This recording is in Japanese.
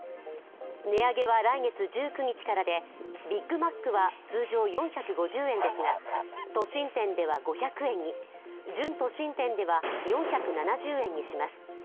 値上げは来月１９日からで、ビッグマックは通常４５０円ですが、都心店では５００円に準都心店では４７０円にします。